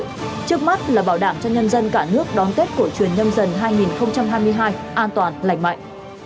trước mắt là bảo đảm cho nhân dân cả nước đón tết của truyền nhân dân hai nghìn hai mươi hai an toàn lạnh mạnh